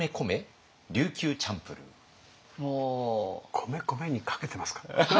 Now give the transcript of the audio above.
「米」「こめ」にかけてますか？